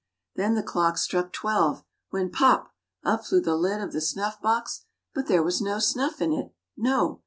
Then the clock struck twelve, when pop ! up flew the lid of the snuff box, but there was no snuff in it, no!